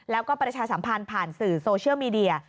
แล้วก็ประชาสัมพันธ์ผ่านสื่อโซเชียลมีเดีย